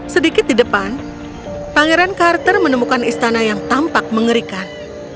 sedikit di depan pangeran carter menemukan istana yang tampak mengerikan